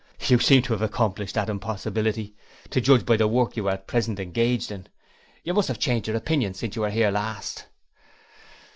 'You seem to have accomplished that impossibility, to judge by the work you are at present engaged in. You must have changed your opinions since you were here last.'